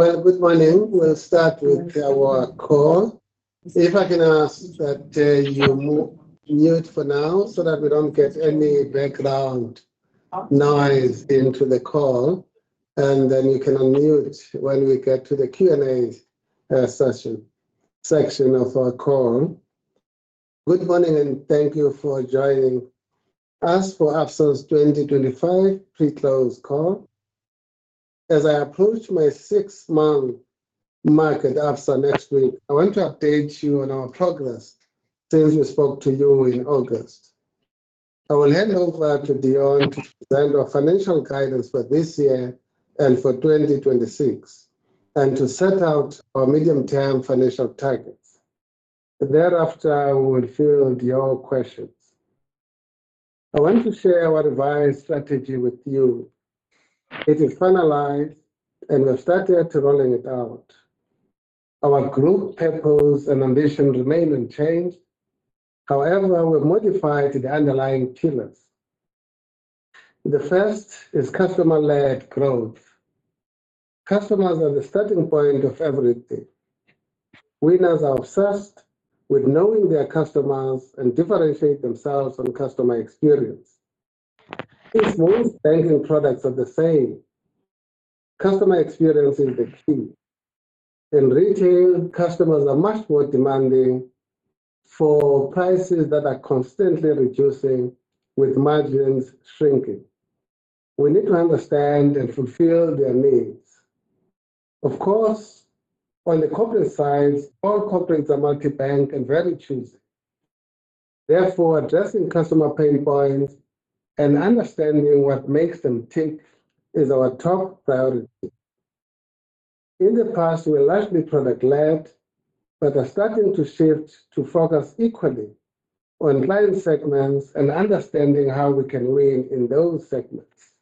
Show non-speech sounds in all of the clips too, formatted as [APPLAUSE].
Good morning. We'll start with our call. If I can ask that you mute for now so that we don't get any background noise into the call, and then you can unmute when we get to the Q&A session section of our call. Good morning, and thank you for joining us for Absa 2025 Pre-Close Call. As I approach my six-month market absence next week, I want to update you on our progress since we spoke to you in August. I will hand over to Deon to present our financial guidance for this year and for 2026, and to set out our medium-term financial targets. Thereafter, we will field your questions. I want to share our advice strategy with you. It is finalized, and we've started rolling it out. Our group purpose and ambition remain unchanged. However, we've modified the underlying pillars. The first is customer-led growth. Customers are the starting point of everything. Winners are obsessed with knowing their customers and differentiating themselves on customer experience. Most banking products are the same. Customer experience is the key. In retail, customers are much more demanding for prices that are constantly reducing, with margins shrinking. We need to understand and fulfill their needs. Of course, on the corporate side, all corporates are multi-bank and very choosy. Therefore, addressing customer pain points and understanding what makes them tick is our top priority. In the past, we were largely product-led, but are starting to shift to focus equally on client segments and understanding how we can win in those segments.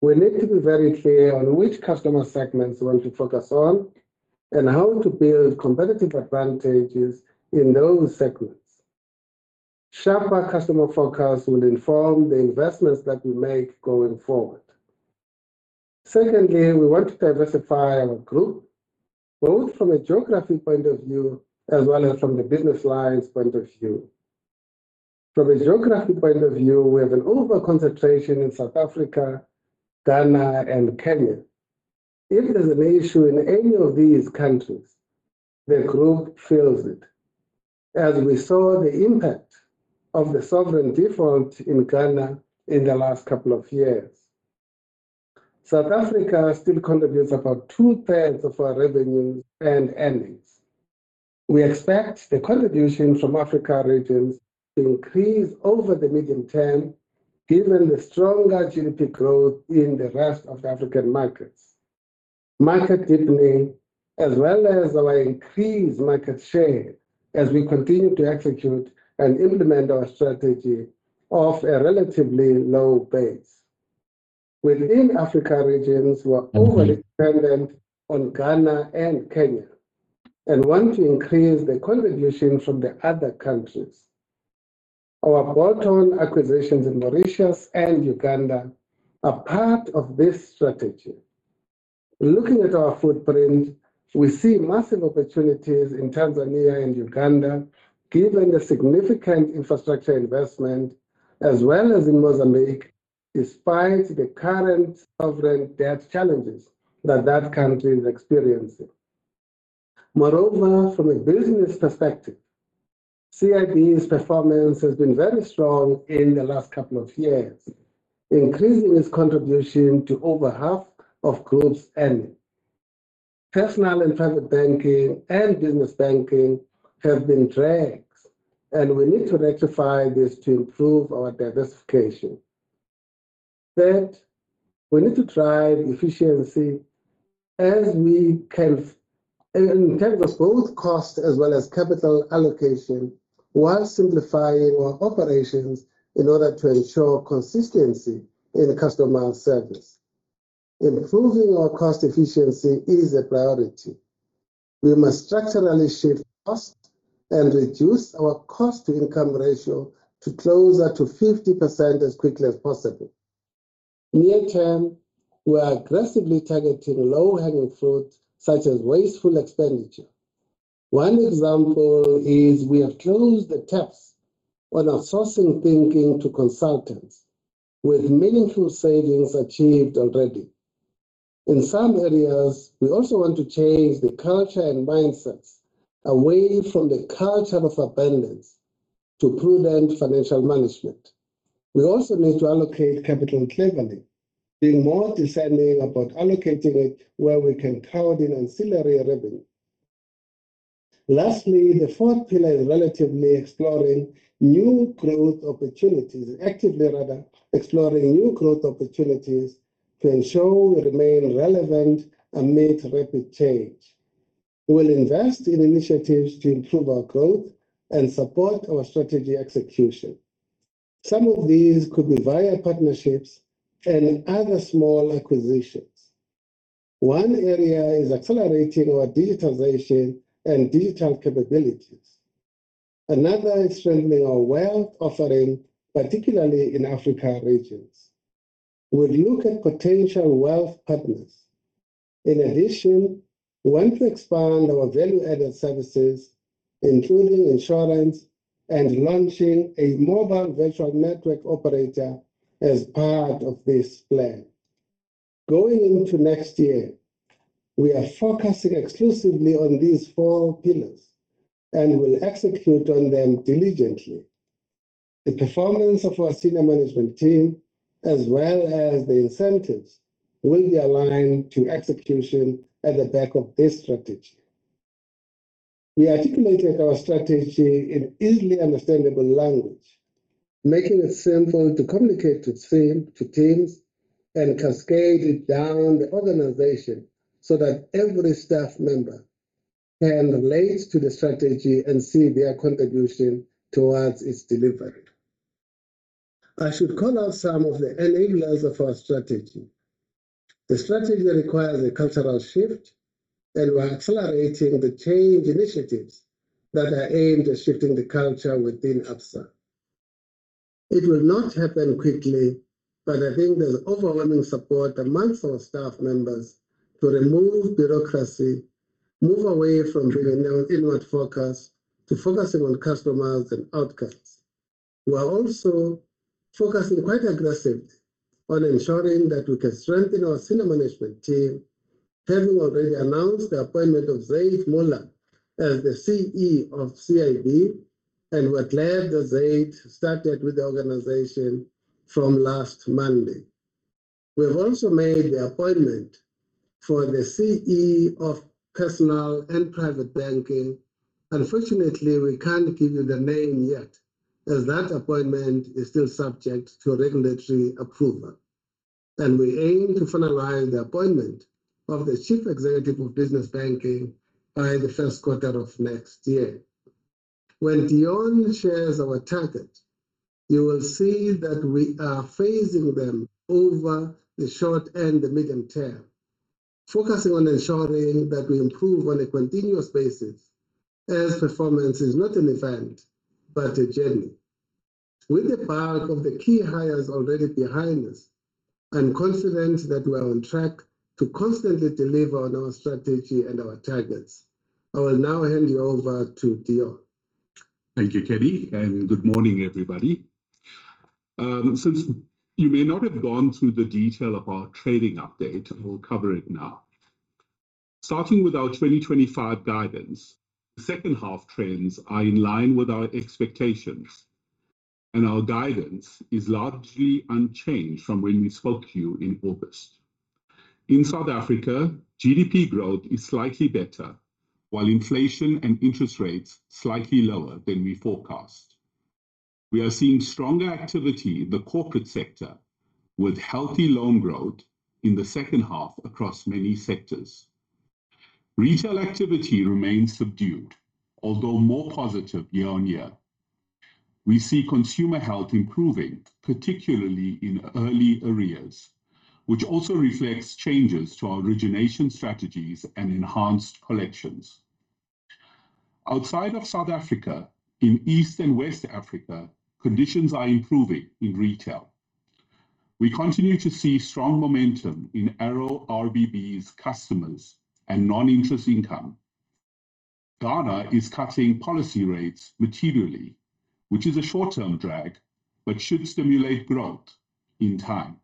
We need to be very clear on which customer segments we want to focus on and how to build competitive advantages in those segments. Sharper customer focus will inform the investments that we make going forward. Secondly, we want to diversify our group, both from a geography point of view as well as from the business lines point of view. From a geography point of view, we have an over-concentration in South Africa, Ghana, and Kenya. If there's an issue in any of these countries, the group feels it, as we saw the impact of the sovereign default in Ghana in the last couple of years. South Africa still contributes about two-thirds of our revenues and earnings. We expect the contribution from African regions to increase over the medium term, given the stronger GDP growth in the rest of the African markets, market deepening, as well as our increased market share as we continue to execute and implement our strategy off a relatively low base. Within African regions, we're overly dependent on Ghana and Kenya and want to increase the contribution from the other countries. Our bolt-on acquisitions in Mauritius and Uganda are part of this strategy. Looking at our footprint, we see massive opportunities in Tanzania and Uganda, given the significant infrastructure investment, as well as in Mozambique, despite the current sovereign debt challenges that that country is experiencing. Moreover, from a business perspective, CIB's performance has been very strong in the last couple of years, increasing its contribution to over half of group's earnings. Personal and Private Banking and Business Banking have been dragged, and we need to rectify this to improve our diversification. Third, we need to drive efficiency as we can, in terms of both cost as well as capital allocation, while simplifying our operations in order to ensure consistency in customer service. Improving our cost efficiency is a priority. We must structurally shift cost and reduce our cost-to-income ratio to closer to 50% as quickly as possible. Near term, we are aggressively targeting low-hanging fruit such as wasteful expenditure. One example is we have closed the taps on outsourcing thinking to consultants, with meaningful savings achieved already. In some areas, we also want to change the culture and mindsets away from the culture of abundance to prudent financial management. We also need to allocate capital cleverly, being more discerning about allocating it where we can crowd in ancillary revenue. Lastly, the fourth pillar is actively exploring new growth opportunities to ensure we remain relevant amid rapid change. We'll invest in initiatives to improve our growth and support our strategy execution. Some of these could be via partnerships and other small acquisitions. One area is accelerating our digitization and digital capabilities. Another is strengthening our wealth offering, particularly in African regions. We'll look at potential wealth partners. In addition, we want to expand our value-added services, including insurance, and launching a mobile virtual network operator as part of this plan. Going into next year, we are focusing exclusively on these four pillars and will execute on them diligently. The performance of our senior management team, as well as the incentives, will be aligned to execution at the back of this strategy. We articulated our strategy in easily understandable language, making it simple to communicate to teams and cascade it down the organization so that every staff member can relate to the strategy and see their contribution towards its delivery. I should call out some of the enablers of our strategy. The strategy requires a cultural shift, and we're accelerating the change initiatives that are aimed at shifting the culture within Absa. It will not happen quickly, but I think there's overwhelming support among our staff members to remove bureaucracy, move away from being inward-focused to focusing on customers and outcomes. We're also focusing quite aggressively on ensuring that we can strengthen our senior management team, having already announced the appointment of Zaid Moola as the CE of CIB, and we're glad that Zaid started with the organization from last Monday. We've also made the appointment for the CE of Personal and Private Banking. Unfortunately, we can't give you the name yet, as that appointment is still subject to regulatory approval. And we aim to finalize the appointment of the Chief Executive of Business Banking by the first quarter of next year. When Deon shares our target, you will see that we are phasing them over the short and the medium term, focusing on ensuring that we improve on a continuous basis, as performance is not an event but a journey. With the bulk of the key hires already behind us and confident that we are on track to constantly deliver on our strategy and our targets, I will now hand you over to Deon. Thank you, Kenny, and good morning, everybody. Since you may not have gone through the detail of our trading update, we'll cover it now. Starting with our 2025 guidance, the second half trends are in line with our expectations, and our guidance is largely unchanged from when we spoke to you in August. In South Africa, GDP growth is slightly better, while inflation and interest rates are slightly lower than we forecast. We are seeing stronger activity in the corporate sector, with healthy loan growth in the second half across many sectors. Retail activity remains subdued, although more positive year on year. We see consumer health improving, particularly in early arrears, which also reflects changes to our origination strategies and enhanced collections. Outside of South Africa, in East and West Africa, conditions are improving in retail. We continue to see strong momentum in ARO RBB's customers and non-interest income. Ghana is cutting policy rates materially, which is a short-term drag but should stimulate growth in time.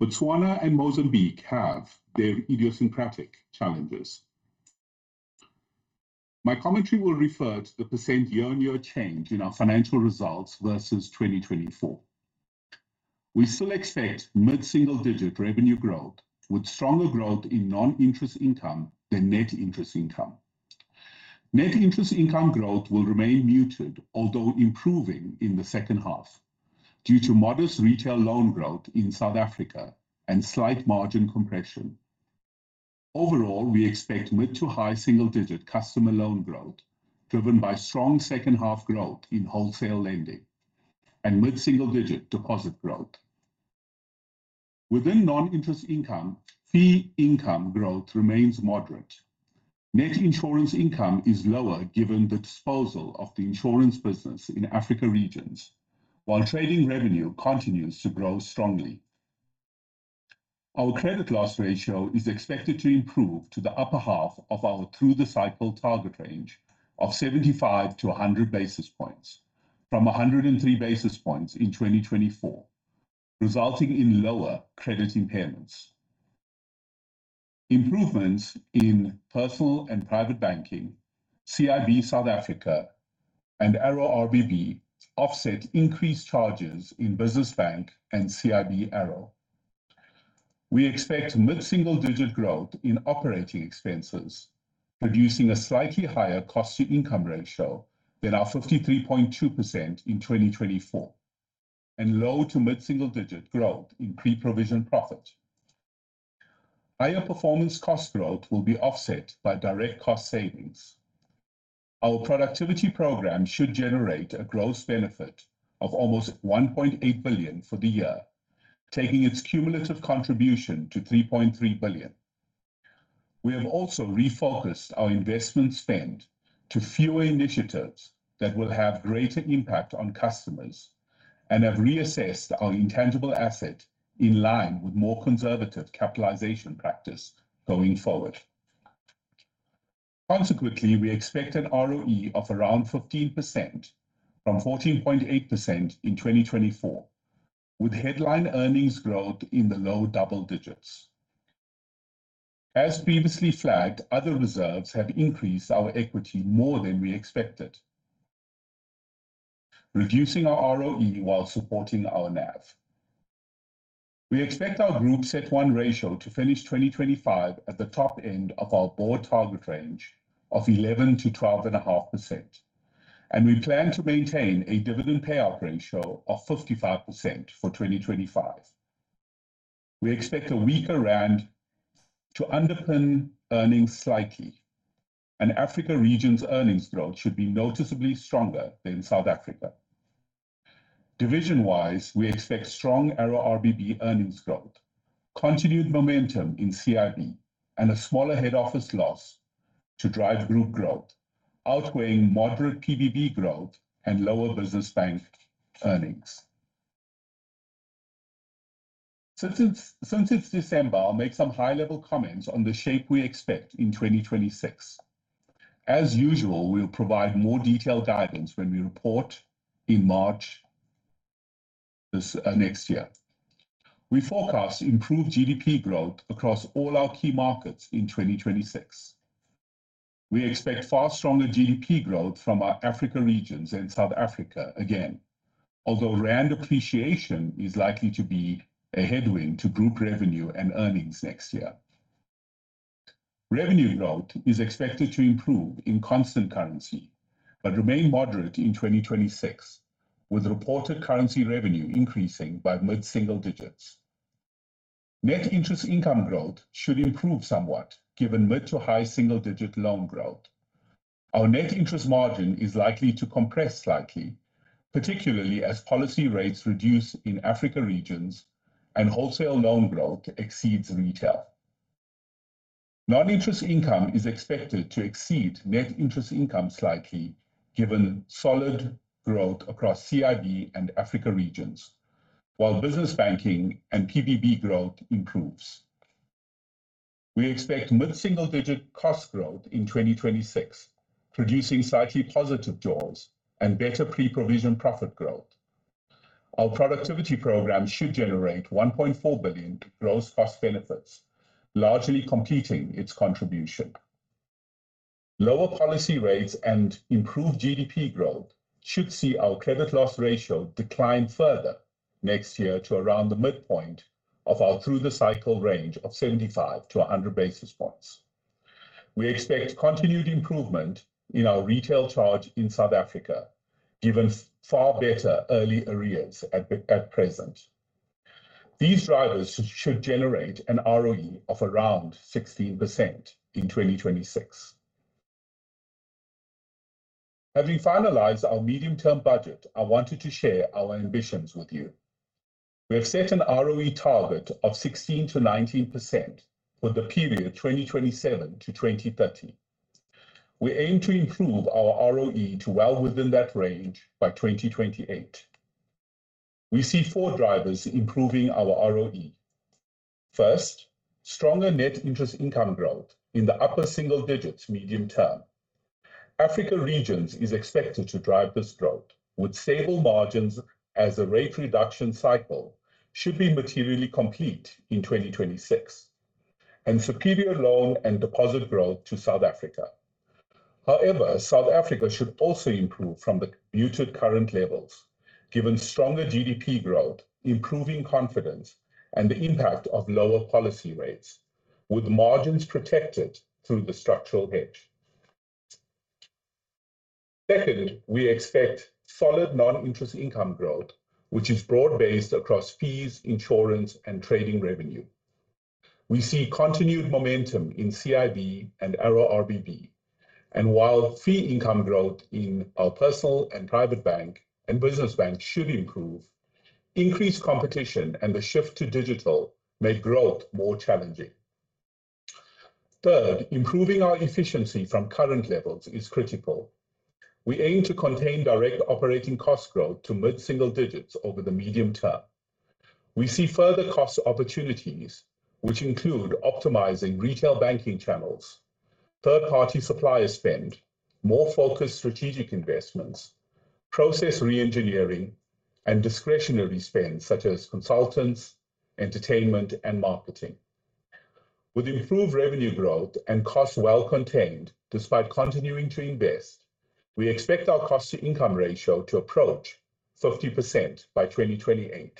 Botswana and Mozambique have their idiosyncratic challenges. My commentary will refer to the percent year-on-year change in our financial results versus 2024. We still expect mid-single-digit revenue growth, with stronger growth in non-interest income than net interest income. Net interest income growth will remain muted, although improving in the second half, due to modest retail loan growth in South Africa and slight margin compression. Overall, we expect mid-to-high single-digit customer loan growth, driven by strong second-half growth in wholesale lending and mid-single-digit deposit growth. Within non-interest income, fee income growth remains moderate. Net insurance income is lower given the disposal of the insurance business in Africa regions, while trading revenue continues to grow strongly. Our credit loss ratio is expected to improve to the upper half of our through-the-cycle target range of 75-100 basis points, from 103 basis points in 2024, resulting in lower credit impairments. Improvements in Personal and Private Banking, CIB South Africa, and ARO RBB offset increased charges in Business Bank and CIB ARO. We expect mid-single-digit growth in operating expenses, producing a slightly higher cost-to-income ratio than our 53.2% in 2024, and low to mid-single-digit growth in pre-provision profit. Higher performance cost growth will be offset by direct cost savings. Our productivity program should generate a gross benefit of almost 1.8 billion for the year, taking its cumulative contribution to 3.3 billion. We have also refocused our investment spend to fewer initiatives that will have greater impact on customers and have reassessed our intangible asset in line with more conservative capitalization practice going forward. Consequently, we expect an ROE of around 15% from 14.8% in 2024, with headline earnings growth in the low double digits. As previously flagged, other reserves have increased our equity more than we expected, reducing our ROE while supporting our NAV. We expect our group CET1 ratio to finish 2025 at the top end of our board target range of 11%-12.5%, and we plan to maintain a dividend payout ratio of 55% for 2025. We expect a weaker rand to underpin earnings slightly, and Africa region's earnings growth should be noticeably stronger than South Africa. Division-wise, we expect strong ARO RBB earnings growth, continued momentum in CIB, and a smaller head office loss to drive group growth, outweighing moderate PPB growth and lower Business Bank earnings. Since it's December, I'll make some high-level comments on the shape we expect in 2026. As usual, we'll provide more detailed guidance when we report in March next year. We forecast improved GDP growth across all our key markets in 2026. We expect far stronger GDP growth from our Africa regions and South Africa again, although rand appreciation is likely to be a headwind to group revenue and earnings next year. Revenue growth is expected to improve in constant currency but remain moderate in 2026, with reported currency revenue increasing by mid-single digits. Net interest income growth should improve somewhat, given mid-to-high single-digit loan growth. Our net interest margin is likely to compress slightly, particularly as policy rates reduce in Africa regions and wholesale loan growth exceeds retail. Non-interest income is expected to exceed net interest income slightly, given solid growth across CIB and Africa regions, while Business Banking and PPB growth improves. We expect mid-single-digit cost growth in 2026, producing slightly positive jaws and better pre-provision profit growth. Our productivity program should generate 1.4 billion gross cost benefits, largely completing its contribution. Lower policy rates and improved GDP growth should see our credit loss ratio decline further next year to around the midpoint of our through-the-cycle range of 75-100 basis points. We expect continued improvement in our retail charge-offs in South Africa, given far better early arrears at present. These drivers should generate an ROE of around 16% in 2026. Having finalized our medium-term budget, I wanted to share our ambitions with you. We have set an ROE target of 16%-19% for the period 2027-2030. We aim to improve our ROE to well within that range by 2028. We see four drivers improving our ROE. First, stronger net interest income growth in the upper single digits medium term. Africa regions are expected to drive this growth, with stable margins as the rate reduction cycle should be materially complete in 2026, and superior loan and deposit growth to South Africa. However, South Africa should also improve from the muted current levels, given stronger GDP growth, improving confidence, and the impact of lower policy rates, with margins protected through the structural hedge. Second, we expect solid non-interest income growth, which is broad-based across fees, insurance, and trading revenue. We see continued momentum in CIB and ARO RBB, and while fee income growth in our personal and private bank and Business Bank should improve, increased competition and the shift to digital make growth more challenging. Third, improving our efficiency from current levels is critical. We aim to contain direct operating cost growth to mid-single digits over the medium term. We see further cost opportunities, which include optimizing retail banking channels, third-party supplier spend, more focused strategic investments, process re-engineering, and discretionary spend such as consultants, entertainment, and marketing. With improved revenue growth and costs well contained despite continuing to invest, we expect our cost-to-income ratio to approach 50% by 2028.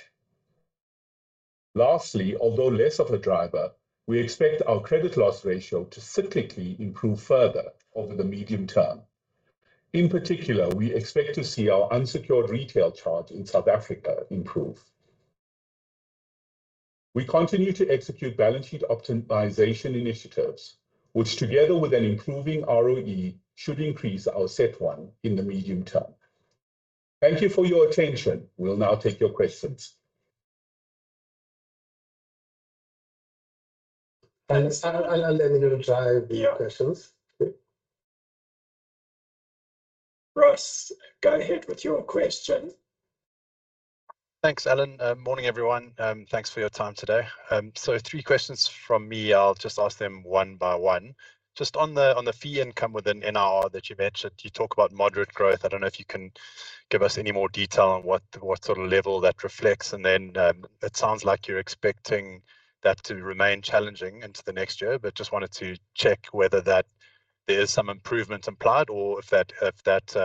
Lastly, although less of a driver, we expect our credit loss ratio to cyclically improve further over the medium term. In particular, we expect to see our unsecured retail charge-off in South Africa improve. We continue to execute balance sheet optimization initiatives, which, together with an improving ROE, should increase our CET1 in the medium term. Thank you for your attention. We'll now take your questions. Alan, let me drive the questions. Ross, go ahead with your question. Thanks, Alan. Morning, everyone. Thanks for your time today. So three questions from me. I'll just ask them one by one. Just on the fee income within NIR that you mentioned, you talk about moderate growth. I don't know if you can give us any more detail on what sort of level that reflects, and then it sounds like you're expecting that to remain challenging into the next year, but just wanted to check whether there is some improvement implied or if that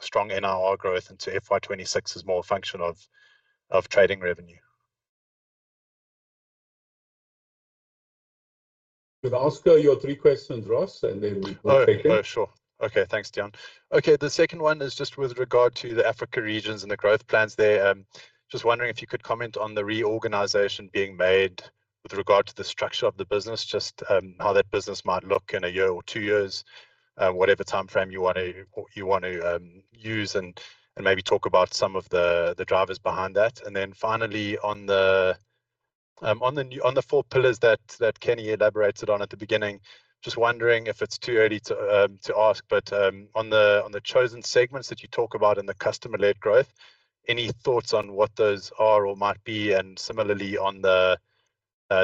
strong NIR growth into FY2026 is more a function of trading revenue. Could I ask your three questions, Ross, and then we'll take it? Oh, sure. Okay, thanks, Deon. Okay, the second one is just with regard to the Africa regions and the growth plans there. Just wondering if you could comment on the reorganization being made with regard to the structure of the business, just how that business might look in a year or two years, whatever timeframe you want to use, and maybe talk about some of the drivers behind that. And then finally, on the four pillars that Kenny elaborated on at the beginning, just wondering if it's too early to ask, but on the chosen segments that you talk about in the customer-led growth, any thoughts on what those are or might be? And similarly, on the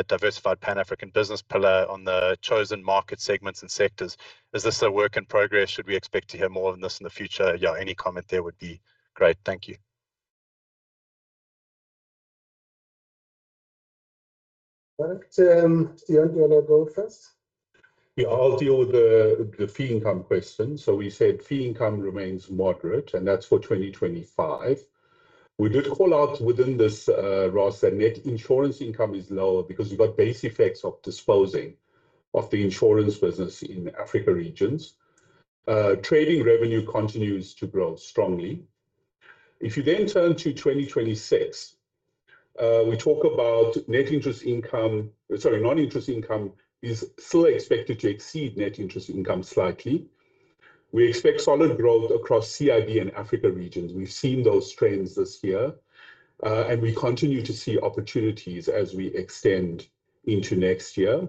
diversified Pan-African business pillar, on the chosen market segments and sectors, is this a work in progress? Should we expect to hear more on this in the future? Any comment there would be great. Thank you. Deon, do you want to go first? Yeah, I'll deal with the fee income question. So we said fee income remains moderate, and that's for 2025. We did call out within this, Ross, that net insurance income is lower because we've got base effects of disposing of the insurance business in Africa regions. Trading revenue continues to grow strongly. If you then turn to 2026, we talk about net interest income, sorry, non-interest income is still expected to exceed net interest income slightly. We expect solid growth across CIB and Africa regions. We've seen those trends this year, and we continue to see opportunities as we extend into next year.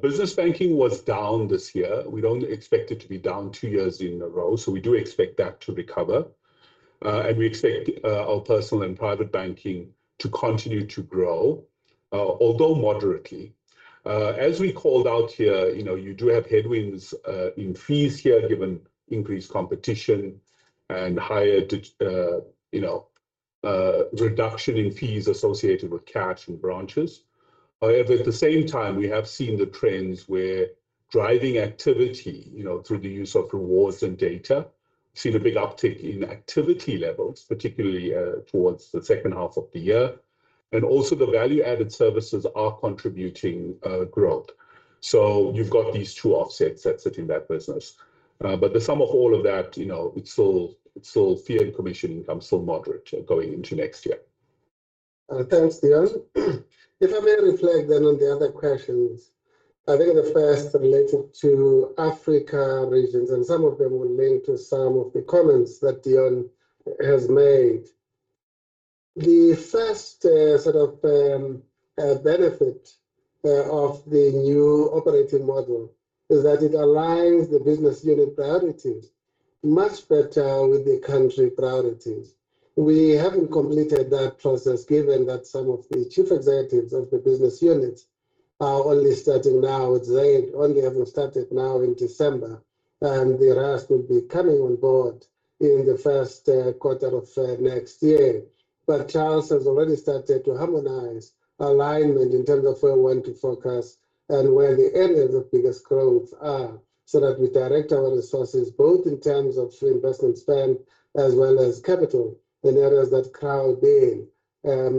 Business Banking was down this year. We don't expect it to be down two years in a row, so we do expect that to recover. And we expect our Personal and Private Banking to continue to grow, although moderately. As we called out here, you do have headwinds in fees here, given increased competition and higher reduction in fees associated with cash and branches. However, at the same time, we have seen the trends where driving activity through the use of rewards and data, seen a big uptick in activity levels, particularly towards the second half of the year. And also, the value-added services are contributing growth. So you've got these two offsets that sit in that business. But the sum of all of that, it's still fee and commission income still moderate going into next year. Thanks, Deon. If I may reflect then on the other questions, I think the first related to Africa regions, and some of them will link to some of the comments that Deon has made. The first sort of benefit of the new operating model is that it aligns the business unit priorities much better with the country priorities. We haven't completed that process, given that some of the chief executives of the business units are only starting now. They only haven't started now in December, and the rest will be coming on board in the first quarter of next year. Charles has already started to harmonize alignment in terms of where we want to focus and where the areas of biggest growth are so that we direct our resources both in terms of investment spend as well as capital in areas that crowd in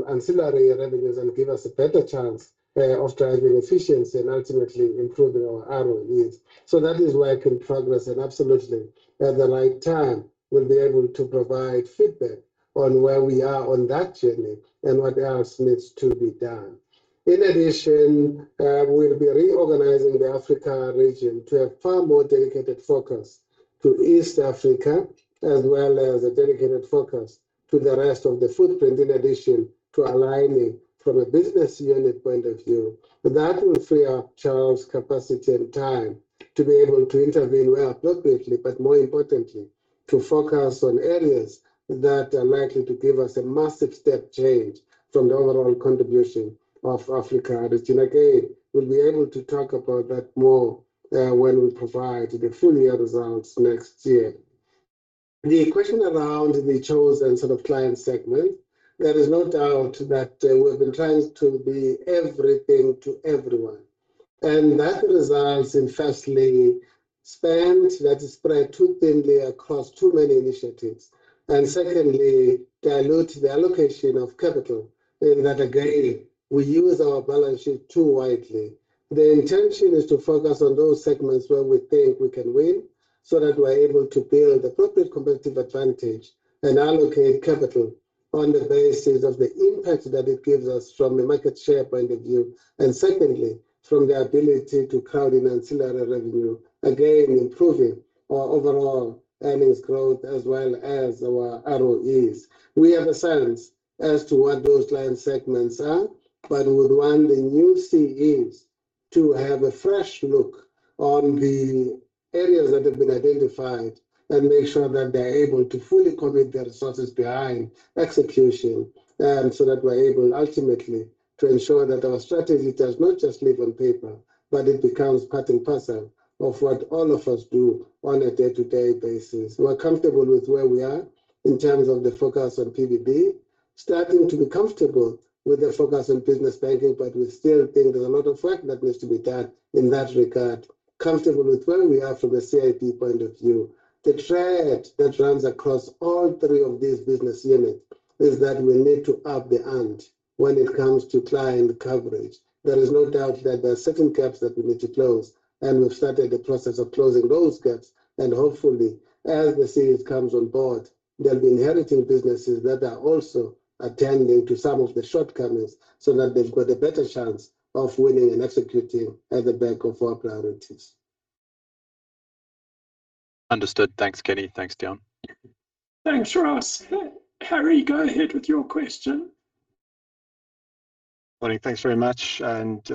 ancillary revenues and give us a better chance of driving efficiency and ultimately improving our ROEs. That is work in progress, and absolutely at the right time, we'll be able to provide feedback on where we are on that journey and what else needs to be done. In addition, we'll be reorganizing the Africa region to have far more dedicated focus to East Africa, as well as a dedicated focus to the rest of the footprint, in addition to aligning from a business unit point of view. That will free up Charles' capacity and time to be able to intervene well appropriately, but more importantly, to focus on areas that are likely to give us a massive step change from the overall contribution of Africa region. Again, we'll be able to talk about that more when we provide the full year results next year. The question around the chosen sort of client segment, there is no doubt that we've been trying to be everything to everyone, and that results in firstly, spend that is spread too thinly across too many initiatives, and secondly, dilute the allocation of capital in that, again, we use our balance sheet too widely. The intention is to focus on those segments where we think we can win so that we're able to build appropriate competitive advantage and allocate capital on the basis of the impact that it gives us from a market share point of view, and secondly, from the ability to crowd in ancillary revenue, again, improving our overall earnings growth as well as our ROEs. We have a sense as to what those line segments are, but we want the new CEs to have a fresh look on the areas that have been identified and make sure that they're able to fully commit their resources behind execution so that we're able ultimately to ensure that our strategy does not just live on paper, but it becomes part and parcel of what all of us do on a day-to-day basis. We're comfortable with where we are in terms of the focus on PPB, starting to be comfortable with the focus on Business Banking, but we still think there's a lot of work that needs to be done in that regard. Comfortable with where we are from a CIB point of view. The thread that runs across all three of these business units is that we need to up the ante when it comes to client coverage. There is no doubt that there are certain gaps that we need to close, and we've started the process of closing those gaps, and hopefully, as the CEs come on board, they'll be inheriting businesses that are also attending to some of the shortcomings so that they've got a better chance of winning and executing at the back of our priorities. Understood. Thanks, Kenny. Thanks, Deon. Thanks, Ross. Harry, go ahead with your question. Morning. Thanks very much. And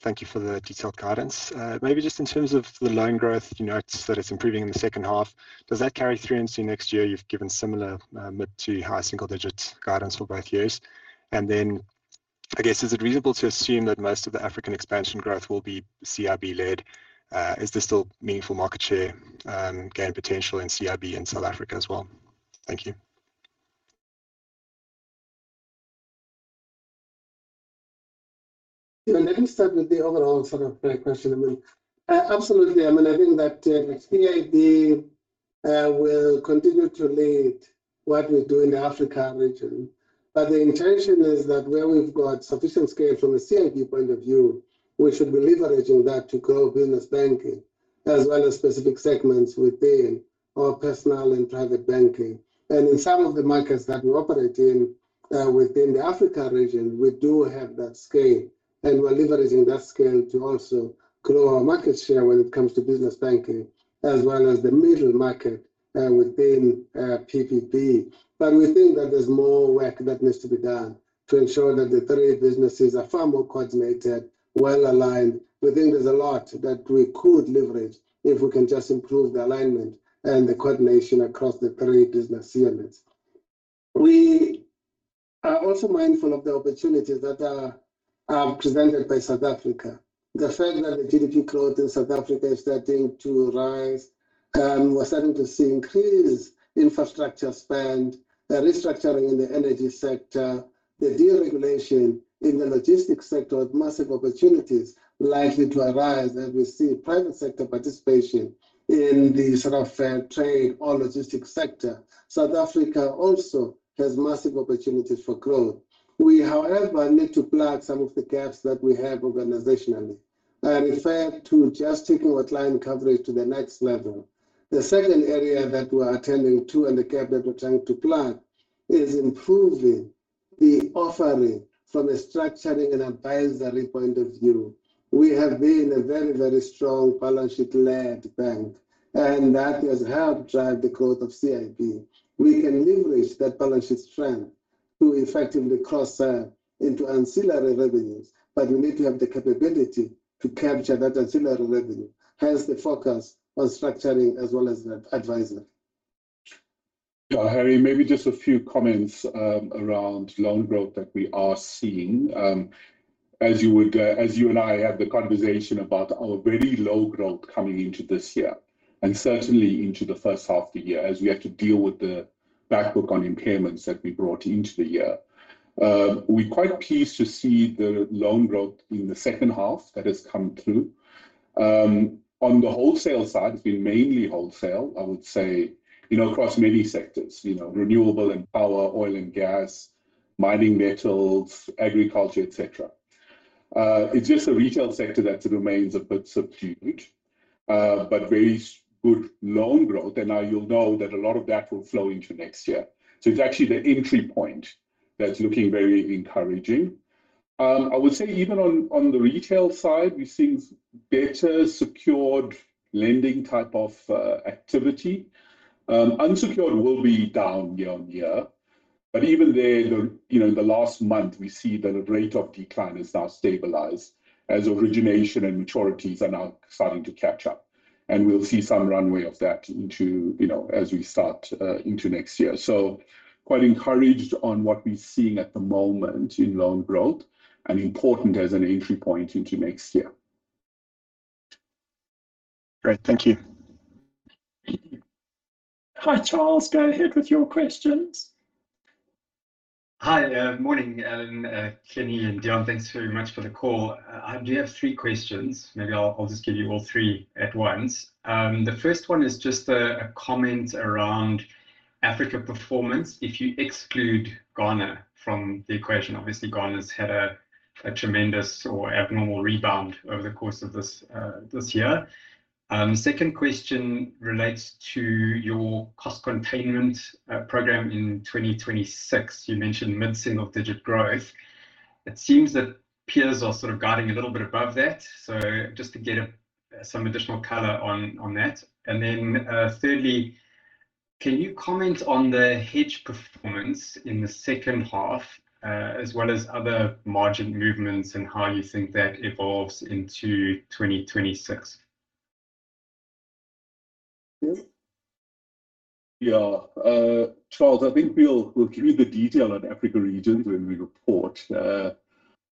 thank you for the detailed guidance. Maybe just in terms of the loan growth, you noticed that it's improving in the second half. Does that carry through into next year? You've given similar mid- to high single-digits guidance for both years. And then I guess, is it reasonable to assume that most of the African expansion growth will be CIB-led? Is there still meaningful market share gain potential in CIB in South Africa as well? Thank you. Let me start with the overall sort of question. Absolutely. I mean, I think that CIB will continue to lead what we do in the Africa region. But the intention is that where we've got sufficient scale from the CIB point of view, we should be leveraging that to grow Business Banking as well as specific segments within our Personal and Private Banking. And in some of the markets that we operate in within the Africa region, we do have that scale, and we're leveraging that scale to also grow our market share when it comes to Business Banking as well as the middle market within PPB. But we think that there's more work that needs to be done to ensure that the three businesses are far more coordinated, well aligned. We think there's a lot that we could leverage if we can just improve the alignment and the coordination across the three business units. We are also mindful of the opportunities that are presented by South Africa. The fact that the GDP growth in South Africa is starting to rise, we're starting to see increased infrastructure spend, restructuring in the energy sector, the deregulation in the logistics sector with massive opportunities likely to arise, and we see private sector participation in the sort of trade or logistics sector. South Africa also has massive opportunities for growth. We, however, need to plug some of the gaps that we have organizationally. I refer to just taking our client coverage to the next level. The second area that we're attending to and the gap that we're trying to plug is improving the offering from a structuring and advisory point of view. We have been a very, very strong balance sheet-led bank, and that has helped drive the growth of CIB. We can leverage that balance sheet strength to effectively cross into ancillary revenues, but we need to have the capability to capture that ancillary revenue, hence the focus on structuring as well as advisory. Yeah, Harry, maybe just a few comments around loan growth that we are seeing. As you and I have the conversation about our very low growth coming into this year and certainly into the first half of the year, as we have to deal with the back book on impairments that we brought into the year, we're quite pleased to see the loan growth in the second half that has come through. On the wholesale side, it's been mainly wholesale, I would say, across many sectors: renewable and power, oil and gas, mining metals, agriculture, etc. It's just the retail sector that remains a bit subdued, but very good loan growth, and now you'll know that a lot of that will flow into next year. So it's actually the entry point that's looking very encouraging. I would say even on the retail side, we've seen better secured lending type of activity. Unsecured will be down year-on-year, but even there, in the last month, we see that the rate of decline has now stabilized as origination and maturities are now starting to catch up, and we'll see some runway of that as we start into next year, so quite encouraged on what we're seeing at the moment in loan growth and important as an entry point into next year. Great. Thank you. Hi, Charles. Go ahead with your questions. Hi, morning, Kenny and Deon. Thanks very much for the call. I do have three questions. Maybe I'll just give you all three at once. The first one is just a comment around Africa performance if you exclude Ghana from the equation. Obviously, Ghana's had a tremendous or abnormal rebound over the course of this year. Second question relates to your cost containment program in 2026. You mentioned mid-single digit growth. It seems that peers are sort of guiding a little bit above that. So just to get some additional color on that. And then thirdly, can you comment on the hedge performance in the second half as well as other margin movements and how you think that evolves into 2026? Yeah. Charles, I think we'll get into the detail on Africa region when we report.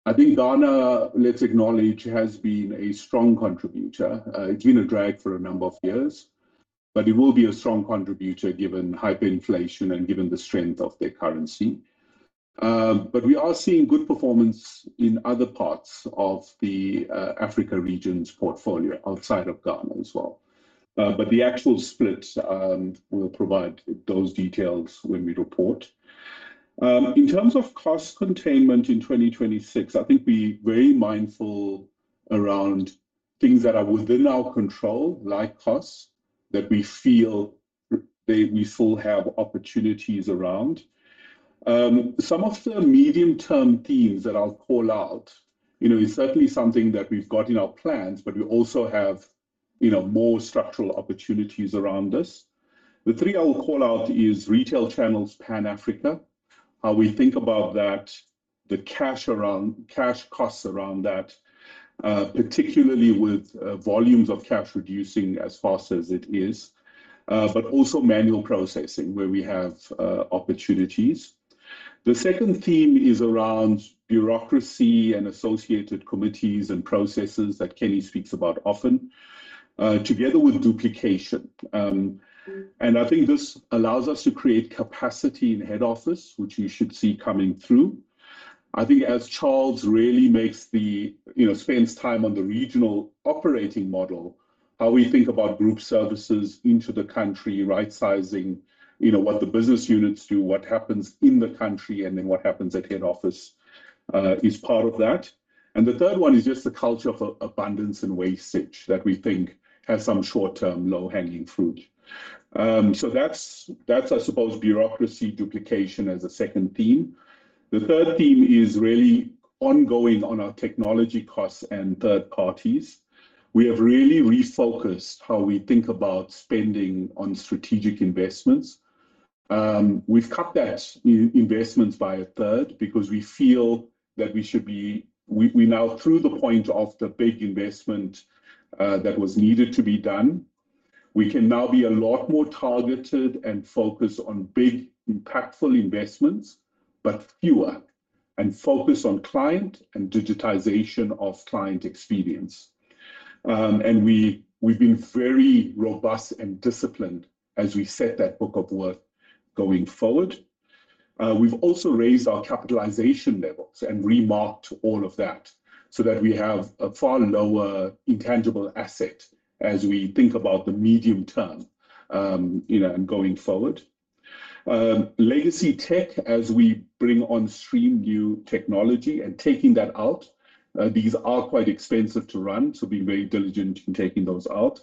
I think Ghana, let's acknowledge, has been a strong contributor. It's been a drag for a number of years, but it will be a strong contributor given hyperinflation and given the strength of their currency. But we are seeing good performance in other parts of the Africa region's portfolio outside of Ghana as well. But the actual split will provide those details when we report. In terms of cost containment in 2026, I think we're very mindful around things that are within our control, like costs, that we feel we still have opportunities around. Some of the medium-term themes that I'll call out. It's certainly something that we've got in our plans, but we also have more structural opportunities around us. The three I will call out is retail channels Pan-Africa, how we think about that, the cash costs around that, particularly with volumes of cash reducing as fast as it is, but also manual processing where we have opportunities. The second theme is around bureaucracy and associated committees and processes that Kenny speaks about often, together with duplication. And I think this allows us to create capacity in head office, which you should see coming through. I think as Charles really spends time on the regional operating model, how we think about group services into the country, right-sizing, what the business units do, what happens in the country, and then what happens at head office is part of that. And the third one is just the culture of abundance and wastage that we think has some short-term low-hanging fruit. So that's, I suppose, bureaucracy duplication as a second theme. The third theme is really ongoing on our technology costs and third parties. We have really refocused how we think about spending on strategic investments. We've cut that investments by a third because we feel that we should be now through the point of the big investment that was needed to be done. We can now be a lot more targeted and focused on big, impactful investments, but fewer, and focus on client and digitization of client experience. And we've been very robust and disciplined as we set that book of work going forward. We've also raised our capitalization levels and remarked all of that so that we have a far lower intangible asset as we think about the medium term and going forward. Legacy tech as we bring on stream new technology and taking that out. These are quite expensive to run, so be very diligent in taking those out.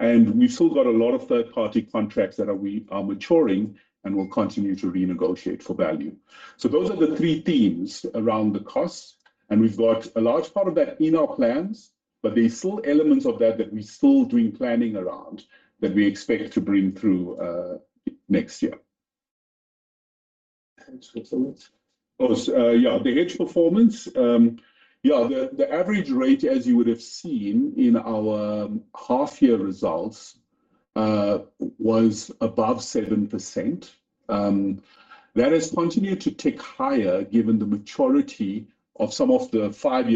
And we've still got a lot of third-party contracts that are maturing and will continue to renegotiate for value. So those are the three themes around the cost. And we've got a large part of that in our plans, but there's still elements of that that we're still doing planning around that we expect to bring through next year. Excellent. Yeah, the hedge performance, yeah, the average rate, as you would have seen in our half-year results, was above 7%. That has continued to tick higher given the maturity of some of the five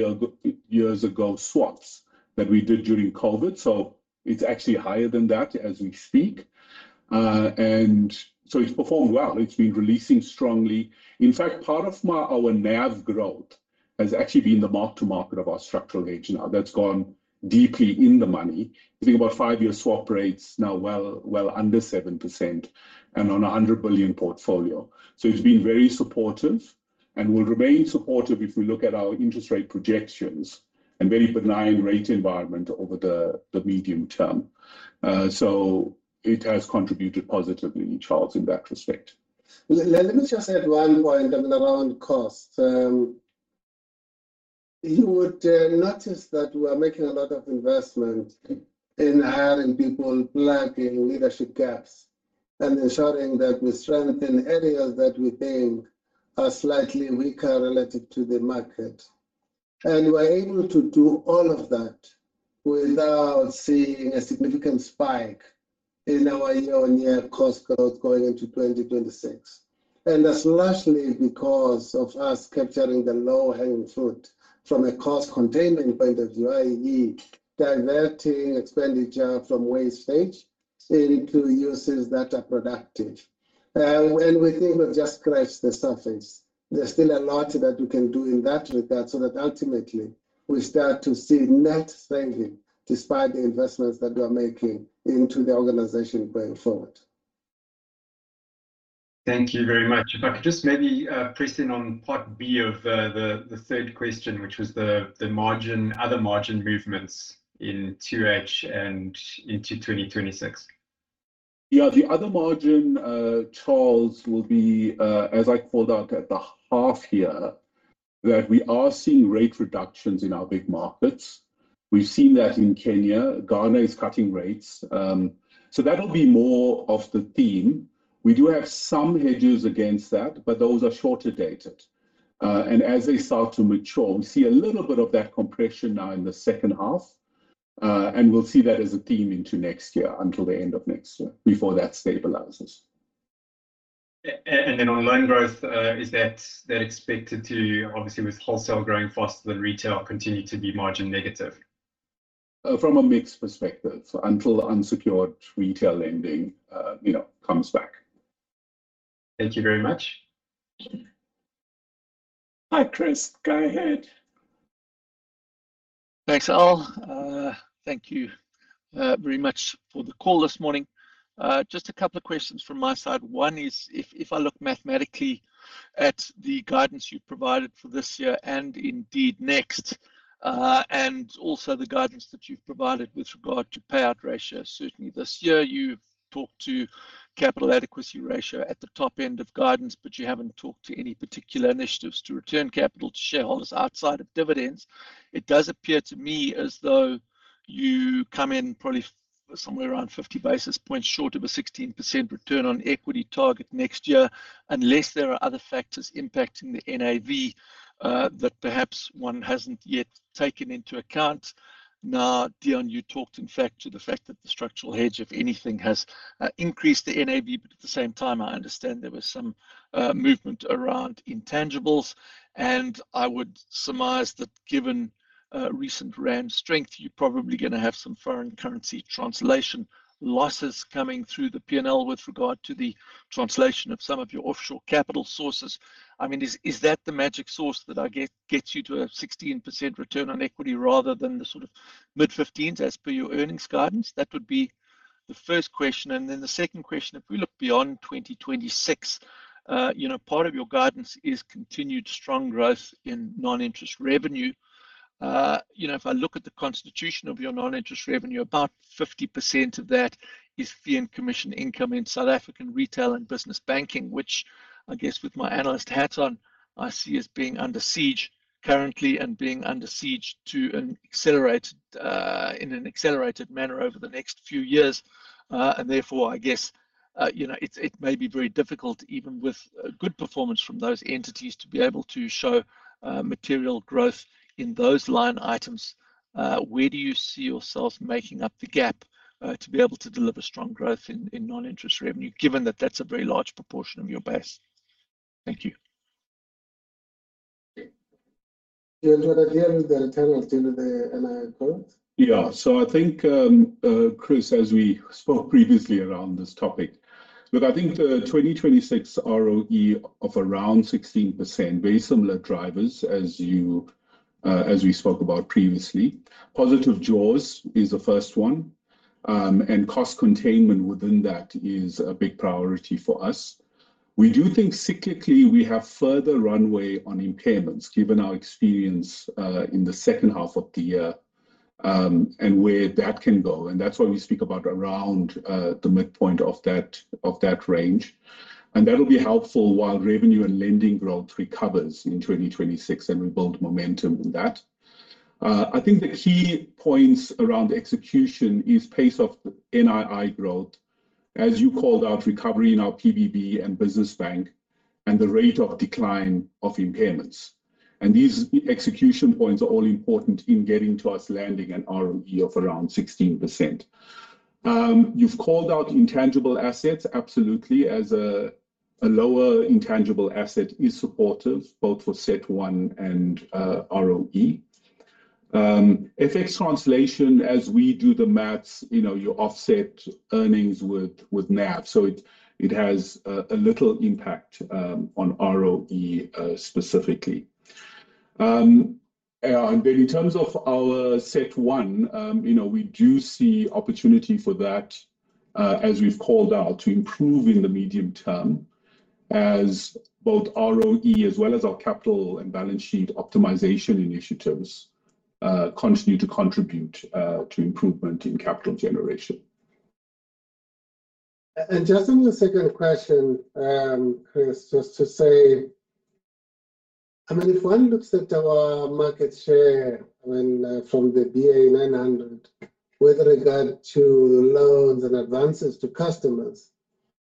years ago swaps that we did during COVID. So it's actually higher than that as we speak. And so it's performed well. It's been releasing strongly. In fact, part of our NAV growth has actually been the mark-to-market of our structural hedge now. That's gone deeply in the money. I think about five-year swap rates now well under 7% and on a 100 billion portfolio. So it's been very supportive and will remain supportive if we look at our interest rate projections and very benign rate environment over the medium term. So it has contributed positively, Charles, in that respect. Let me just add one point around costs. You would notice that we are making a lot of investment in hiring people, plugging leadership gaps, and ensuring that we strengthen areas that we think are slightly weaker relative to the market, and we're able to do all of that without seeing a significant spike in our year-on-year cost growth going into 2026, and that's largely because of us capturing the low-hanging fruit from a cost containment point of view, i.e., diverting expenditure from wastage into uses that are productive, and we think we've just scratched the surface. There's still a lot that we can do in that regard so that ultimately we start to see net saving despite the investments that we are making into the organization going forward. Thank you very much. If I could just maybe press in on part B of the third question, which was the other margin movements in second half and into 2026. Yeah, the other margin, Charles, will be, as I called out at the half-year, that we are seeing rate reductions in our big markets. We've seen that in Kenya. Ghana is cutting rates. So that'll be more of the theme. We do have some hedges against that, but those are shorter dated. And as they start to mature, we see a little bit of that compression now in the second half. And we'll see that as a theme into next year until the end of next year before that stabilizes. On loan growth, is that expected to, obviously, with wholesale growing faster than retail, continue to be margin negative? From a mixed perspective until unsecured retail lending comes back. Thank you very much. Hi, Chris. Go ahead. Thanks, Al. Thank you very much for the call this morning. Just a couple of questions from my side. One is, if I look mathematically at the guidance you've provided for this year and indeed next, and also the guidance that you've provided with regard to payout ratio, certainly this year you've talked to capital adequacy ratio at the top end of guidance, but you haven't talked to any particular initiatives to return capital to shareholders outside of dividends. It does appear to me as though you come in probably somewhere around 50 basis points short of a 16% return on equity target next year, unless there are other factors impacting the NAV that perhaps one hasn't yet taken into account. Now, Deon, you talked, in fact, to the fact that the structural hedge, if anything, has increased the NAV, but at the same time, I understand there was some movement around intangibles, and I would surmise that given recent rand strength, you're probably going to have some foreign currency translation losses coming through the P&L with regard to the translation of some of your offshore capital sources. I mean, is that the magic source that gets you to a 16% return on equity rather than the sort of mid-15s as per your earnings guidance? That would be the first question, and then the second question, if we look beyond 2026, part of your guidance is continued strong growth in non-interest revenue. If I look at the constitution of your non-interest revenue, about 50% of that is fee and commission income in South African Retail and Business Banking, which, I guess, with my analyst hats on, I see as being under siege currently and being under siege in an accelerated manner over the next few years, and therefore, I guess it may be very difficult, even with good performance from those entities, to be able to show material growth in those line items. Where do you see yourselves making up the gap to be able to deliver strong growth in non-interest revenue, given that that's a very large proportion of your base? Thank you. Deon, do you want to deal with the return on dividend and growth? Yeah. So I think, Chris, as we spoke previously around this topic, look, I think the 2026 ROE of around 16%, very similar drivers as we spoke about previously. Positive jaws is the first one. And cost containment within that is a big priority for us. We do think cyclically we have further runway on impairments, given our experience in the second half of the year and where that can go. And that's why we speak about around the midpoint of that range. And that'll be helpful while revenue and lending growth recovers in 2026 and we build momentum in that. I think the key points around execution is pace of NII growth, as you called out, recovery in our PPB and Business Bank, and the rate of decline of impairments. And these execution points are all important in getting to us landing an ROE of around 16%. You've called out intangible assets, absolutely, as a lower intangible asset is supportive, both for CET1 and ROE. FX translation, as we do the math, you offset earnings with NAV. So it has a little impact on ROE specifically. And then in terms of our CET1, we do see opportunity for that, as we've called out, to improve in the medium term as both ROE as well as our capital and balance sheet optimization initiatives continue to contribute to improvement in capital generation. And just in the second question, Chris, just to say, I mean, if one looks at our market share, I mean, from the BA900 with regard to loans and advances to customers,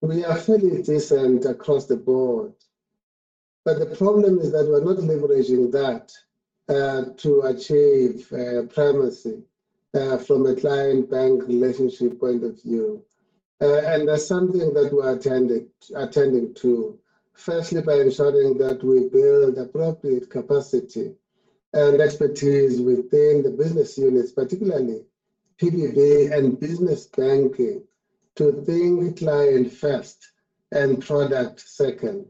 we are fairly decent across the board. But the problem is that we're not leveraging that to achieve primacy from a client-bank relationship point of view. And that's something that we're attending to, firstly, by ensuring that we build appropriate capacity and expertise within the business units, particularly PPB and Business Banking, to think client-first and product-second.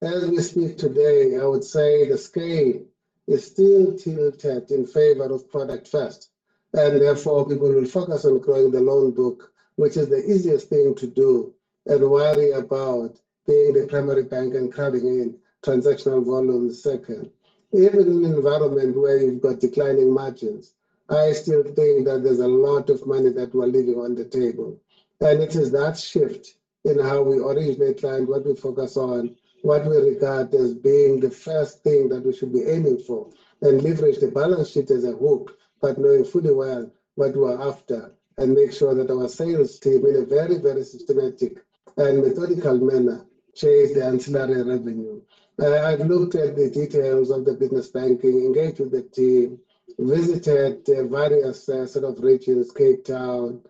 As we speak today, I would say the scale is still tilted in favor of product-first. And therefore, people will focus on growing the loan book, which is the easiest thing to do, and worry about being the primary bank and crowding in transactional volume second. Even in an environment where you've got declining margins, I still think that there's a lot of money that we're leaving on the table, and it is that shift in how we originate client, what we focus on, what we regard as being the first thing that we should be aiming for, and leverage the balance sheet as a hook, but knowing fully well what we're after, and make sure that our sales team, in a very, very systematic and methodical manner, chase the ancillary revenue. I've looked at the details of the Business Banking, engaged with the team, visited various sort of regions, Cape Town,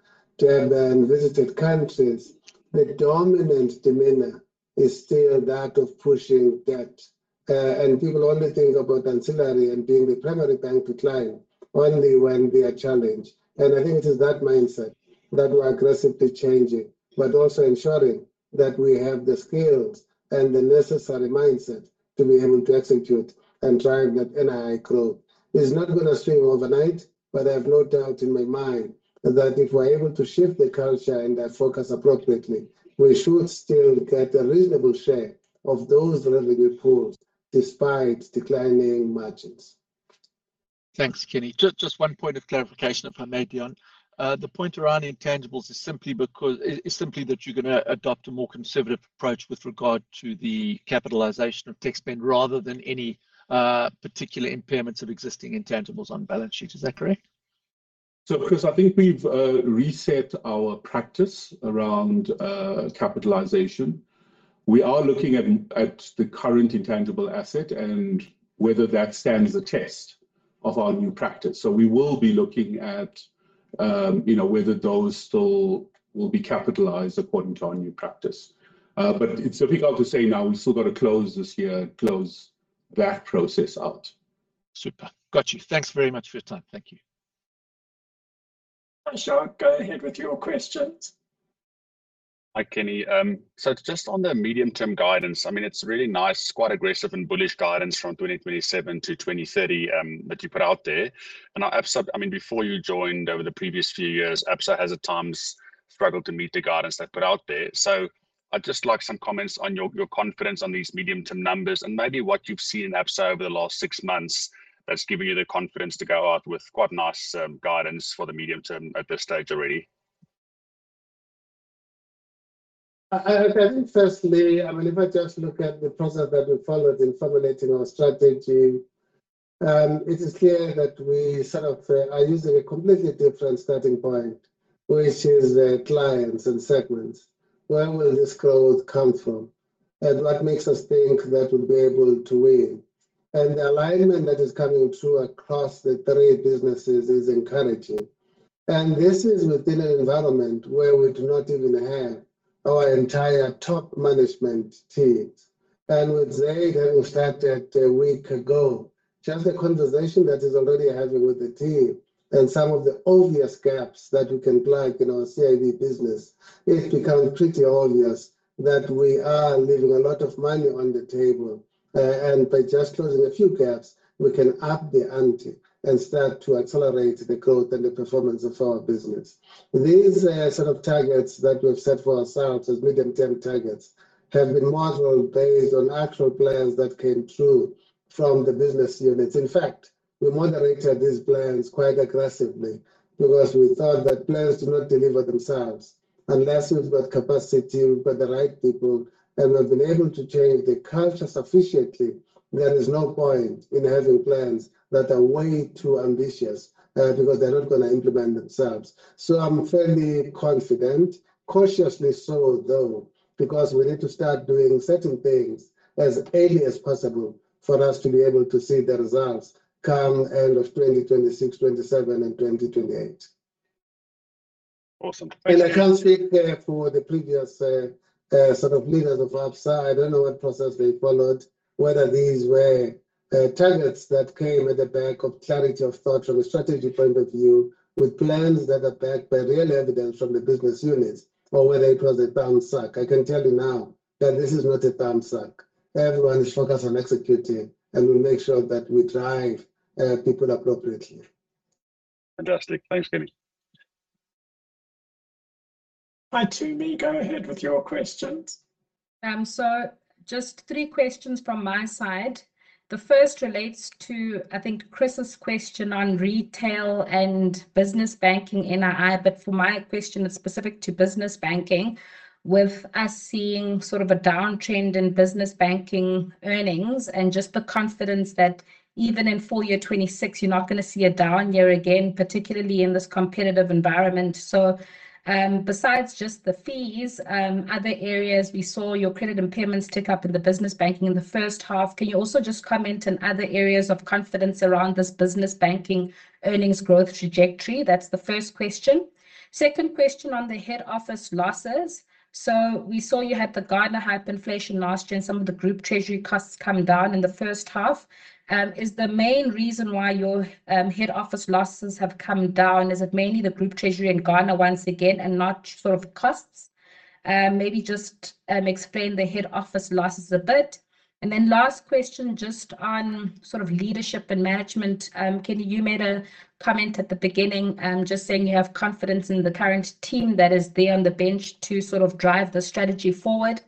Durban, visited countries. The dominant demeanor is still that of pushing debt, and people only think about ancillary and being the primary bank to client only when they are challenged. I think it is that mindset that we're aggressively changing, but also ensuring that we have the skills and the necessary mindset to be able to execute and drive that NII growth. It's not going to swing overnight, but I have no doubt in my mind that if we're able to shift the culture and that focus appropriately, we should still get a reasonable share of those revenue pools despite declining margins. Thanks, Kenny. Just one point of clarification, if I may, Deon. The point around intangibles is simply that you're going to adopt a more conservative approach with regard to the capitalization of tech spend rather than any particular impairments of existing intangibles on balance sheet. Is that correct? Chris, I think we've reset our practice around capitalization. We are looking at the current intangible asset and whether that stands the test of our new practice. We will be looking at whether those still will be capitalized according to our new practice. But it's difficult to say now. We've still got to close this year, close that process out. Super. Got you. Thanks very much for your time. Thank you. [AUDIO DISTORTION] I go ahead with your questions? Hi, Kenny. So just on the medium-term guidance, I mean, it's really nice, quite aggressive and bullish guidance from 2027-2030 that you put out there. And I mean, before you joined over the previous few years, Absa has at times struggled to meet the guidance they've put out there. So I'd just like some comments on your confidence on these medium-term numbers and maybe what you've seen in Absa over the last six months that's given you the confidence to go out with quite nice guidance for the medium term at this stage already. I think, firstly, I mean, if I just look at the process that we followed in formulating our strategy, it is clear that we sort of are using a completely different starting point, which is clients and segments. Where will this growth come from? And what makes us think that we'll be able to win? And the alignment that is coming through across the three businesses is encouraging. And this is within an environment where we do not even have our entire top management teams. And with Zaid, and we started a week ago, just the conversation that is already happening with the team and some of the obvious gaps that we can plug in our CIB business, it becomes pretty obvious that we are leaving a lot of money on the table. And by just closing a few gaps, we can up the ante and start to accelerate the growth and the performance of our business. These sort of targets that we've set for ourselves as medium-term targets have been modeled based on actual plans that came through from the business units. In fact, we moderated these plans quite aggressively because we thought that plans do not deliver themselves. Unless we've got capacity, we've got the right people, and we've been able to change the culture sufficiently, there is no point in having plans that are way too ambitious because they're not going to implement themselves. So I'm fairly confident, cautiously so though, because we need to start doing certain things as early as possible for us to be able to see the results come end of 2026, 2027, and 2028. Awesome. I can't speak for the previous sort of leaders of Absa. I don't know what process they followed, whether these were targets that came at the back of clarity of thought from a strategy point of view, with plans that are backed by real evidence from the business units, or whether it was a thumbs-up. I can tell you now that this is not a thumbs-up. Everyone is focused on executing, and we'll make sure that we drive people appropriately. Fantastic. Thanks, Kenny. Hi, Timi. Go ahead with your questions. So just three questions from my side. The first relates to, I think, Chris's question on retail and Business Banking NII, but for my question, it's specific to Business Banking, with us seeing sort of a downtrend in Business Banking earnings and just the confidence that even in full year 2026, you're not going to see a down year again, particularly in this competitive environment. So besides just the fees, other areas we saw your credit impairments tick up in the Business Banking in the first half. Can you also just comment on other areas of confidence around this Business Banking earnings growth trajectory? That's the first question. Second question on the head office losses. So we saw you had the Ghana hyperinflation last year and some of the Group Treasury costs come down in the first half. Is the main reason why your head office losses have come down, is it mainly the Group Treasury and Ghana once again and not sort of costs? Maybe just explain the head office losses a bit. And then last question, just on sort of leadership and management. Kenny, you made a comment at the beginning just saying you have confidence in the current team that is there on the bench to sort of drive the strategy forward.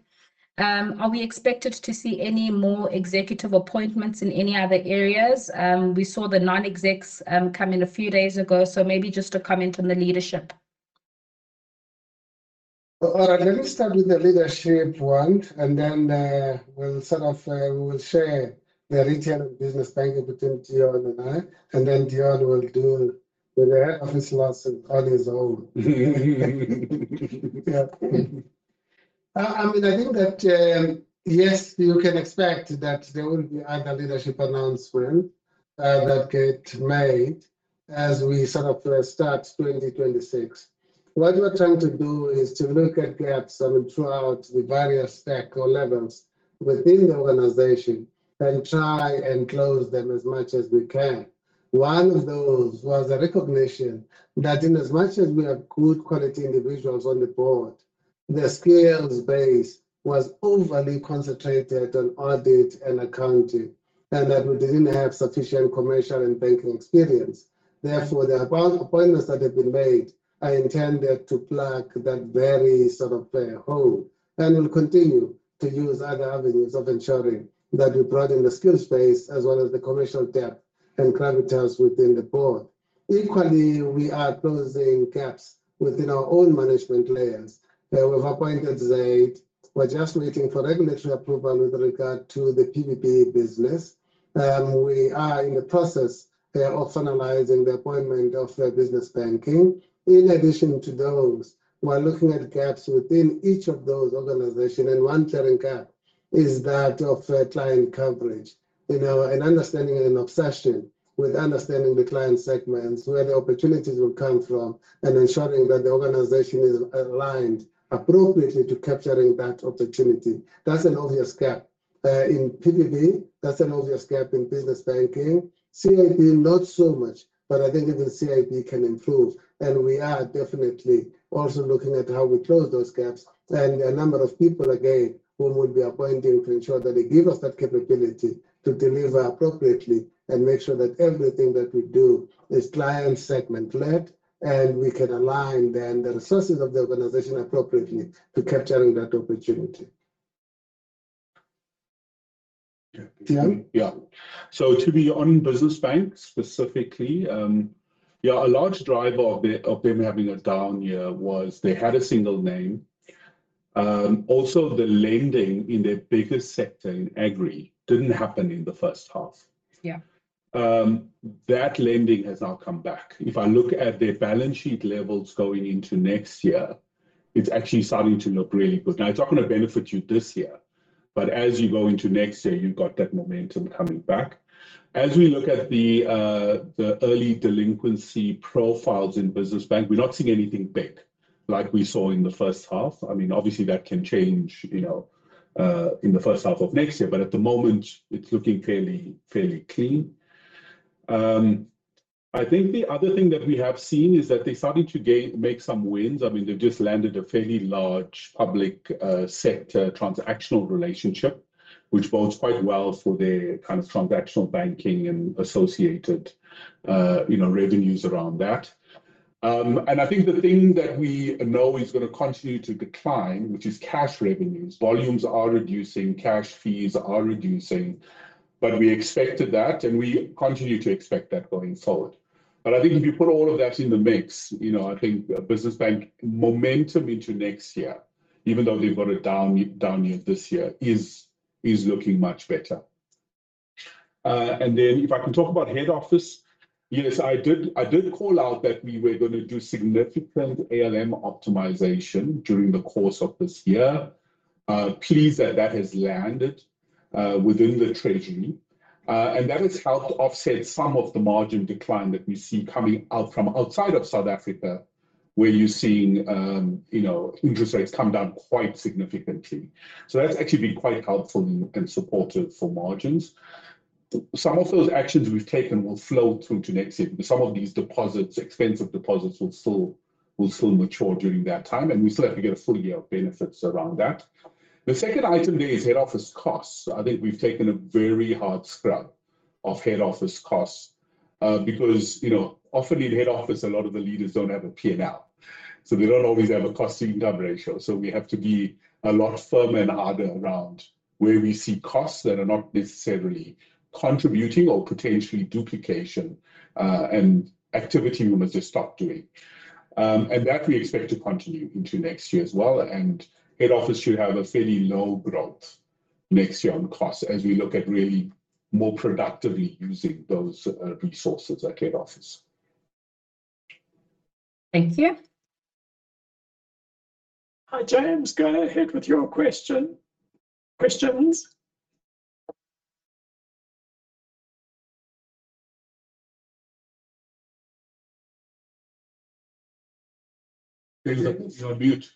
Are we expected to see any more executive appointments in any other areas? We saw the non-execs come in a few days ago. So maybe just a comment on the leadership. All right. Let me start with the leadership one, and then we'll sort of share the retail and Business Banking with Deon and I, and then Deon will deal with the head office losses on his own. Yeah. I mean, I think that, yes, you can expect that there will be other leadership announcements that get made as we sort of start 2026. What we're trying to do is to look at gaps throughout the various stack or levels within the organization and try and close them as much as we can. One of those was a recognition that in as much as we have good quality individuals on the board, the skills base was overly concentrated on audit and accounting and that we didn't have sufficient commercial and banking experience. Therefore, the appointments that have been made are intended to plug that very sort of hole and will continue to use other avenues of ensuring that we broaden the skills base as well as the commercial depth and gravitas within the board. Equally, we are closing gaps within our own management layers. We've appointed Zaid. We're just waiting for regulatory approval with regard to the PPB business. We are in the process of finalizing the appointment of Business Banking. In addition to those, we're looking at gaps within each of those organizations. And one clear-cut is that of client coverage. An understanding and obsession with understanding the client segments, where the opportunities will come from, and ensuring that the organization is aligned appropriately to capturing that opportunity. That's an obvious gap in PPB. That's an obvious gap in Business Banking. CIB, not so much, but I think even CIB can improve, and we are definitely also looking at how we close those gaps and the number of people, again, who will be appointing to ensure that they give us that capability to deliver appropriately and make sure that everything that we do is client-segment-led and we can align then the resources of the organization appropriately to capturing that opportunity. Yeah. So, to be on Business Banks specifically, yeah, a large driver of them having a down year was they had a single name. Also, the lending in their biggest sector in Agri didn't happen in the first half. That lending has now come back. If I look at their balance sheet levels going into next year, it's actually starting to look really good. Now, it's not going to benefit you this year, but as you go into next year, you've got that momentum coming back. As we look at the early delinquency profiles in Business Bank, we're not seeing anything big like we saw in the first half. I mean, obviously, that can change in the first half of next year, but at the moment, it's looking fairly clean. I think the other thing that we have seen is that they're starting to make some wins. I mean, they've just landed a fairly large public sector transactional relationship, which bodes quite well for their kind of transactional banking and associated revenues around that. And I think the thing that we know is going to continue to decline, which is cash revenues. Volumes are reducing. Cash fees are reducing. But we expected that, and we continue to expect that going forward. But I think if you put all of that in the mix, I think Business Bank momentum into next year, even though they've got a down year this year, is looking much better. And then if I can talk about head office, yes, I did call out that we were going to do significant ALM optimization during the course of this year. Pleased that that has landed within the treasury. And that has helped offset some of the margin decline that we see coming out from outside of South Africa, where you're seeing interest rates come down quite significantly. So that's actually been quite helpful and supportive for margins. Some of those actions we've taken will flow through to next year. Some of these deposits, expensive deposits, will still mature during that time. And we still have to get a full year of benefits around that. The second item there is head office costs. I think we've taken a very hard scrub of head office costs because often in head office, a lot of the leaders don't have a P&L. So they don't always have a cost-to-income ratio. So we have to be a lot firmer and harder around where we see costs that are not necessarily contributing or potentially duplication and activity we must just stop doing. And that we expect to continue into next year as well. And head office should have a fairly low growth next year on costs as we look at really more productively using those resources at head office. Thank you. Hi, James. Go ahead with your questions. You're on mute.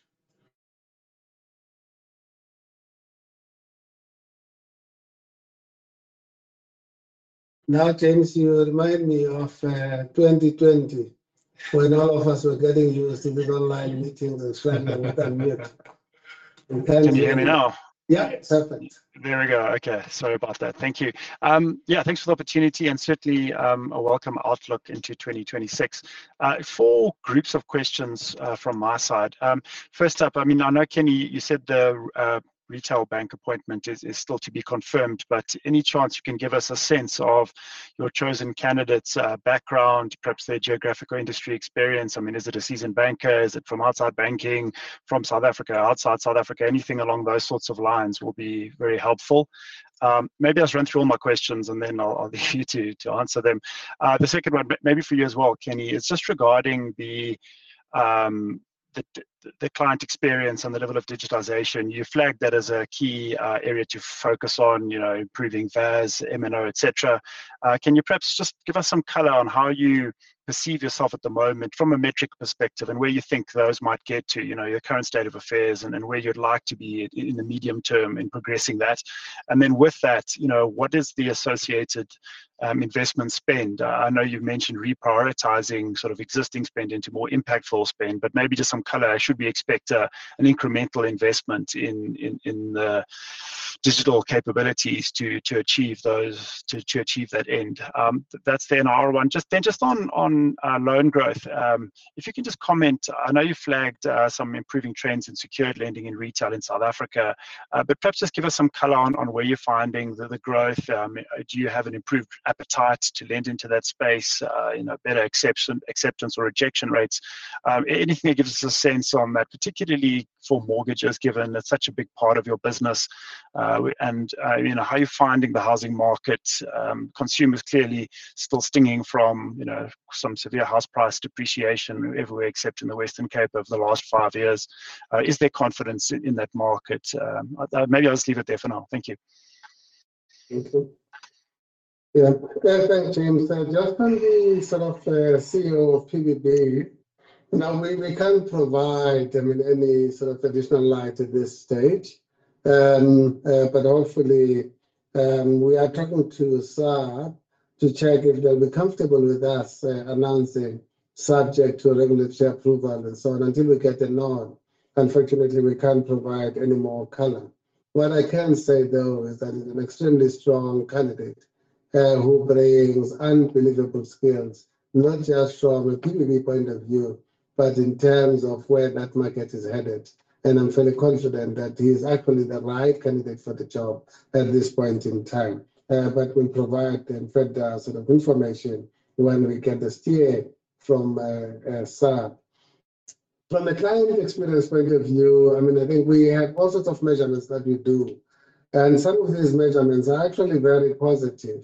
Now, James, you remind me of 2020 when all of us were getting used to these online meetings and sharing with unmute. Can you hear me now? Yeah, it's happened. There we go. Okay. Sorry about that. Thank you. Yeah, thanks for the opportunity and certainly a welcome outlook into 2026. Four groups of questions from my side. First up, I mean, I know, Kenny, you said the retail bank appointment is still to be confirmed, but any chance you can give us a sense of your chosen candidate's background, perhaps their geographical industry experience? I mean, is it a seasoned banker? Is it from outside banking, from South Africa, outside South Africa? Anything along those sorts of lines will be very helpful. Maybe I'll just run through all my questions, and then I'll leave you to answer them. The second one, maybe for you as well, Kenny, is just regarding the client experience and the level of digitization. You flagged that as a key area to focus on, improving VAS, MNO, etc. Can you perhaps just give us some color on how you perceive yourself at the moment from a metric perspective and where you think those might get to your current state of affairs and where you'd like to be in the medium term in progressing that? And then with that, what is the associated investment spend? I know you've mentioned reprioritizing sort of existing spend into more impactful spend, but maybe just some color. I should be expecting an incremental investment in digital capabilities to achieve that end. That's the number one. Just then on loan growth, if you can just comment, I know you flagged some improving trends in secured lending in retail in South Africa, but perhaps just give us some color on where you're finding the growth. Do you have an improved appetite to lend into that space, better acceptance or rejection rates? Anything that gives us a sense on that, particularly for mortgages, given it's such a big part of your business? And how are you finding the housing market? Consumers clearly still stinging from some severe house price depreciation everywhere except in the Western Cape over the last five years. Is there confidence in that market? Maybe I'll just leave it there for now. Thank you. Thank you. Yeah. Thanks, James. Just when we sort of see your PPB, we can't provide, I mean, any sort of additional light at this stage, but hopefully, we are talking to SARB to check if they'll be comfortable with us announcing subject to regulatory approval and so on until we get the nod. Unfortunately, we can't provide any more color. What I can say, though, is that he's an extremely strong candidate who brings unbelievable skills, not just from a PPB point of view, but in terms of where that market is headed, and I'm fairly confident that he's actually the right candidate for the job at this point in time, but we'll provide them further sort of information when we get the say from SARB. From the client experience point of view, I mean, I think we have all sorts of measurements that we do. Some of these measurements are actually very positive.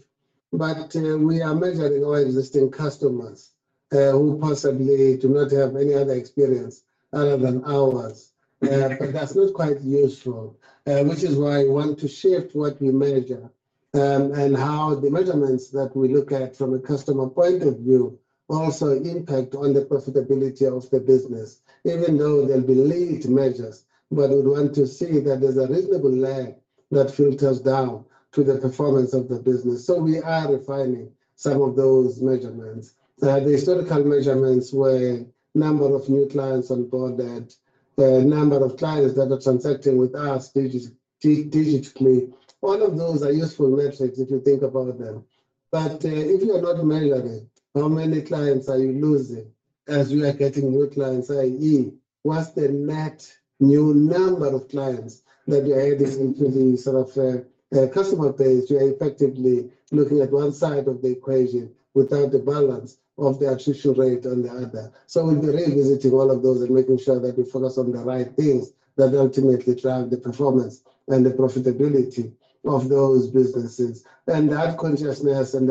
We are measuring our existing customers who possibly do not have any other experience other than ours. That's not quite useful, which is why we want to shift what we measure and how the measurements that we look at from a customer point of view also impact on the profitability of the business, even though they'll be late measures. We'd want to see that there's a reasonable lag that filters down to the performance of the business. We are refining some of those measurements. The historical measurements were number of new clients onboarded, number of clients that are transacting with us digitally. All of those are useful metrics if you think about them. But if you're not measuring how many clients are you losing as you are getting new clients, i.e., what's the net new number of clients that you're adding into the sort of customer base? You're effectively looking at one side of the equation without the balance of the attrition rate on the other. So we'll be revisiting all of those and making sure that we focus on the right things that ultimately drive the performance and the profitability of those businesses. And the ongoing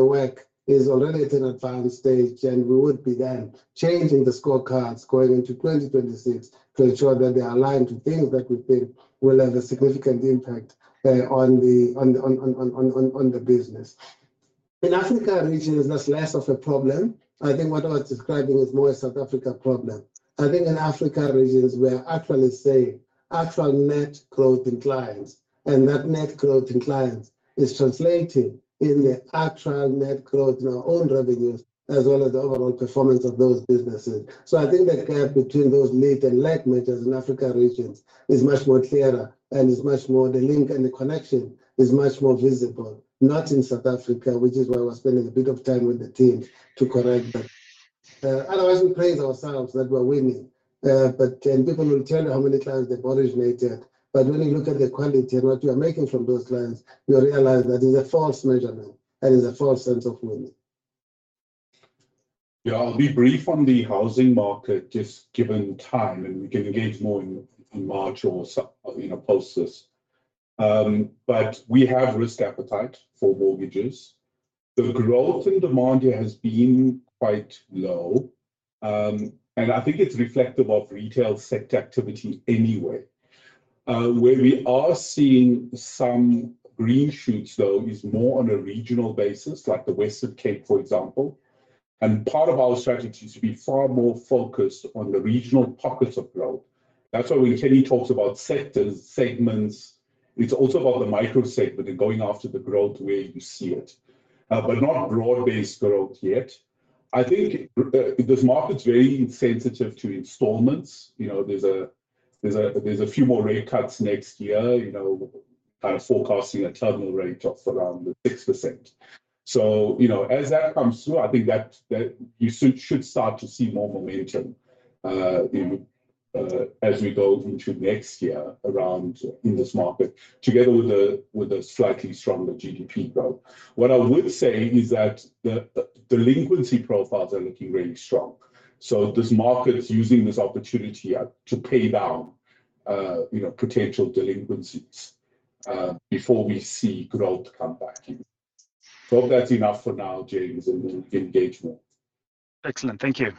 work is already at an advanced stage, and we would be then changing the scorecards going into 2026 to ensure that they are aligned to things that we think will have a significant impact on the business. In African regions, that's less of a problem. I think what I was describing is more a South Africa problem. I think in African regions, we're actually seeing actual net growth in clients, and that net growth in clients is translated in the actual net growth in our own revenues as well as the overall performance of those businesses, so I think the gap between those lead and lag measures in African regions is much more clearer, and the link and the connection is much more visible, not in South Africa, which is why we're spending a bit of time with the team to correct that. Otherwise, we praise ourselves that we're winning, and people will tell you how many clients they've originated, but when you look at the quality and what you're making from those clients, you'll realize that is a false measurement and is a false sense of winning. Yeah. I'll be brief on the housing market just given time, and we can engage more in March or post this. But we have risk appetite for mortgages. The growth in demand here has been quite low. And I think it's reflective of retail sector activity anyway. Where we are seeing some green shoots, though, is more on a regional basis, like the Western Cape, for example. And part of our strategy is to be far more focused on the regional pockets of growth. That's why when Kenny talks about sectors, segments, it's also about the micro-segment and going after the growth where you see it, but not broad-based growth yet. I think this market's very sensitive to installments. There's a few more rate cuts next year, kind of forecasting a terminal rate of around 6%. So as that comes through, I think that you should start to see more momentum as we go into next year around in this market, together with a slightly stronger GDP growth. What I would say is that the delinquency profiles are looking really strong. So this market's using this opportunity to pay down potential delinquencies before we see growth come back. I hope that's enough for now, James, and we'll engage more. Excellent. Thank you.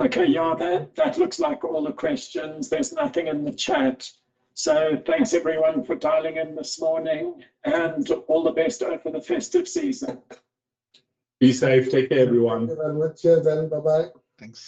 Okay. Yeah. That looks like all the questions. There's nothing in the chat. So thanks, everyone, for dialing in this morning. And all the best over the festive season. Be safe. Take care, everyone. Thank you. Until then. Bye-bye. Thanks.